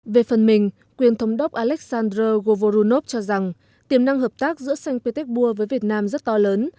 về phần mình quyền thống đốc alexandro govorukh cho rằng tiềm năng hợp tác giữa sanh pétéc bùa với việt nam rất to lớn